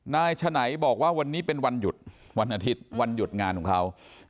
ฉะไหนบอกว่าวันนี้เป็นวันหยุดวันอาทิตย์วันหยุดงานของเขา